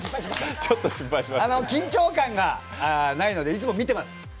緊張感がないので、いつも見てます。